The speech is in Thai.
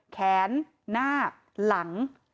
แขนหน้าหลัง